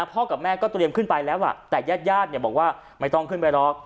กับแม่ก็เตรียมขึ้นไปแล้วล่ะแต่ญาติญาติบอกว่าไม่ต้องขึ้นไปหรอก